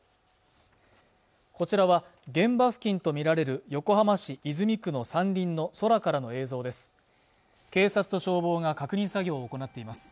こちらは現場付近と見られる横浜市泉区の山林の空からの映像です